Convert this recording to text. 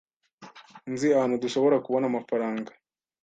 Nzi ahantu dushobora kubona amafaranga.